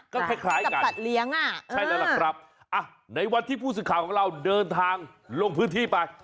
ก็คล้ายกันใช่แล้วครับในวัดที่ผู้สินค้าของเราเดินทางลงพื้นที่ไป